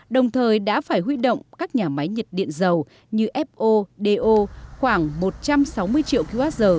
đồng thời đã phải huy động các nhà máy nhiệt điện dầu như fo do khoảng một trăm sáu mươi triệu kwh